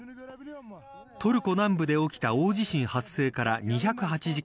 トルコ南部で起きた大地震発生から２０８時間。